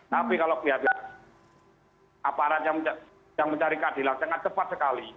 tapi kalau pihak aparat yang mencari keadilan sangat cepat sekali